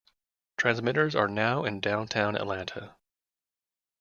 Transmitters are now in downtown Atlanta.